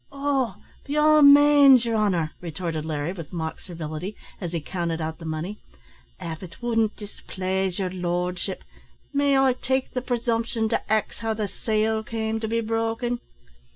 "Oh! be all manes, yer honour," retorted Larry, with mock servility, as he counted out the money. "Av it wouldn't displase yer lordship, may I take the presumption to ax how the seal come to be broken?"